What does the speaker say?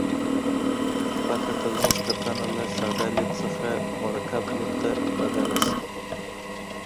فقر ته زموږ کتنه له ساده لید څخه مرکب لید ته بدله شي.